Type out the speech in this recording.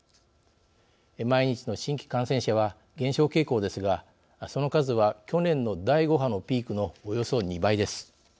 毎日の新規感染者は減少傾向ですがその数は去年の第５波のピークのおよそ２倍です。